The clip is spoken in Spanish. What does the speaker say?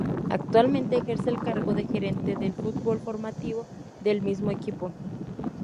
Actualmente ejerce el cargo de Gerente del fútbol formativo del mismo equipo.